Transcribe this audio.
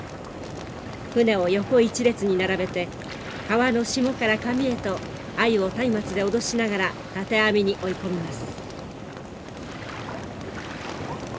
舟を横一列に並べて川の下から上へとアユをたいまつで脅しながら建て網に追い込みます。